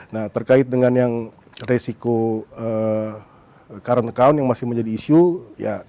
nah terkait dengan yang risiko current account yang masih menjadikan kita tidak bisa menahan di level tujuh lima